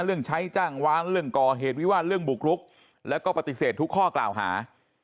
เรื่องใช้จ้างวานเรื่องก่อเหตุวิวาสเรื่องบุกรุกแล้วก็ปฏิเสธทุกข้อกล่าวหา